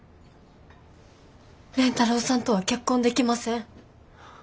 蓮太郎さんとは結婚できません。